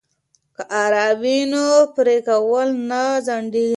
که اره وي نو پرې کول نه ځنډیږي.